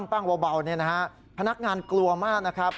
ปั้งเบาเนี่ยนะฮะพนักงานกลัวมากนะครับ